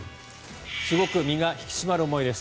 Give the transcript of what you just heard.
すごく身が引き締まる思いです